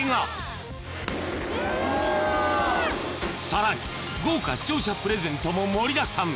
［さらに豪華視聴者プレゼントも盛りだくさん！］